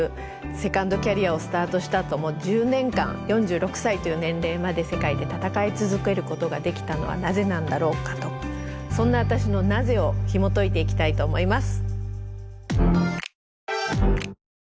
セカンドキャリアをスタートしたあとも１０年間４６歳という年齢まで世界で戦い続けることができたのはなぜなんだろうかとそんな私の「なぜ」をひもといていきたいと思います。